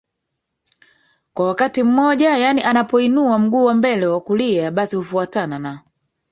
kwa wakati mmoja Yani anapo inua mguu wa mbele wa kulia basi hufuatana na